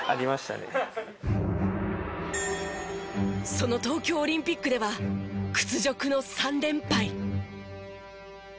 その東京オリンピックでは屈辱の３連敗。